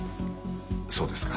そうですか。